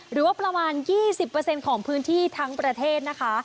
หรือว่าประมาณ๒๐ของพื้นที่ทั้งประเทศนะคะ